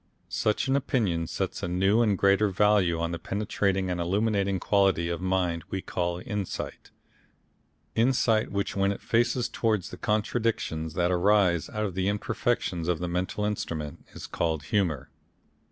Such an opinion sets a new and greater value on that penetrating and illuminating quality of mind we call insight, insight which when it faces towards the contradictions that arise out of the imperfections of the mental instrument is called humour.